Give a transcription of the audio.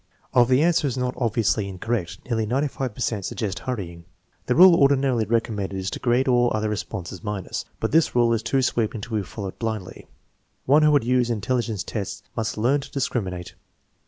Of the answers not obviously incorrect, nearly 95 per cent suggest hurrying. The rule ordinarily recommended is to grade all other responses minus. But this rule is too sweeping to be followed blindly. One who would use intelligence tests must learn to dis criminate.